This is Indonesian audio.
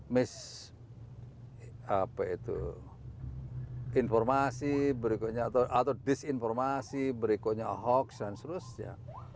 mis apa itu informasi berikutnya atau disinformasi berikutnya hoax dan seterusnya